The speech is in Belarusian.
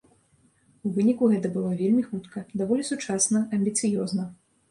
У выніку гэта было вельмі хутка, даволі сучасна, амбіцыёзна.